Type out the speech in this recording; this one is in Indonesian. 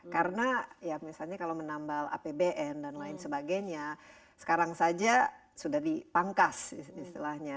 karena ya misalnya kalau menambal apbn dan lain sebagainya sekarang saja sudah dipangkas istilahnya